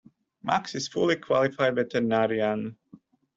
Max is a fully qualified veterinarian.